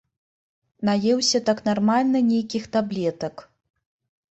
Наеўся так нармальна нейкіх таблетак.